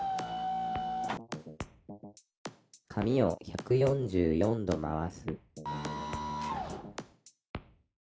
「紙を１４４度回す」